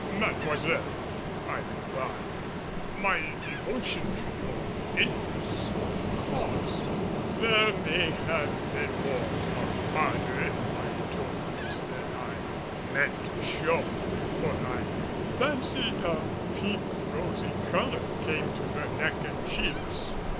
"Mademoiselle," I replied, "my devotion to your interests or cause " There may have been more of ardor in my tones than I meant to show, for I fancied a pink, rosy color came to her neck and cheeks.